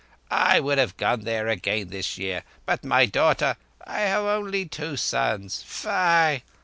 I would have gone there again this year, but my daughter—we have only two sons. Phaii!